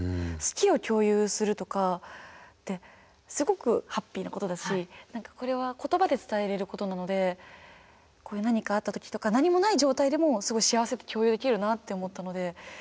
好きを共有するとかってすごくハッピーなことだし何かこれは言葉で伝えれることなのでこういう何かあった時とか何もない状態でもすごい幸せって共有できるなって思ったので。